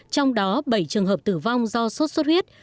trong đó bảy trường hợp tử vong do sốt xuất huyết